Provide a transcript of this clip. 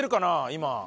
今。